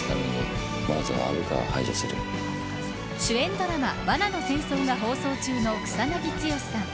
主演ドラマ罠の戦争が放送中の草なぎ剛さん。